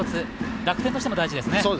楽天としては大事ですね。